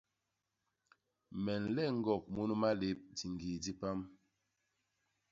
Me nleñ ñgok munu malép diñgii di pam.